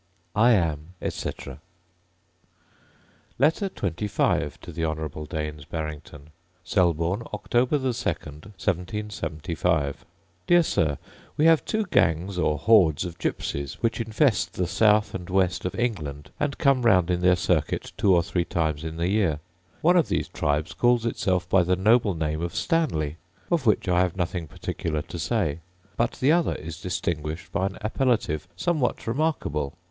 I am, etc. Letter XXV To The Honourable Daines Barrington Selborne, Oct. 2, 1775. Dear Sir, We have two gangs or hordes of gypsies which infest the south and west of England, and come round in their circuit two or three times in the year. One of these tribes calls itself by the noble name of Stanley, of which I have nothing particular to say; but the other is distinguished by an appellative somewhat remarkable.